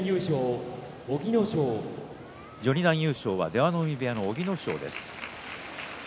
序二段優勝は出羽海部屋の小城ノ正です。